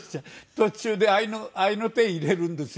途中で合いの手入れるんですよ。